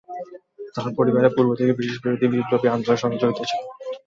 তার পরিবার পূর্ব থেকেই ব্রিটিশ বিরোধী বিপ্লবী আন্দোলনের সঙ্গে জড়িত ছিল।